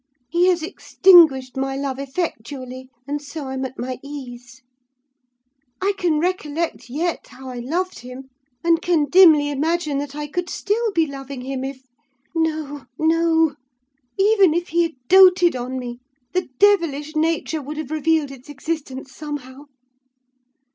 He has extinguished my love effectually, and so I'm at my ease. I can recollect yet how I loved him; and can dimly imagine that I could still be loving him, if—no, no! Even if he had doted on me, the devilish nature would have revealed its existence somehow.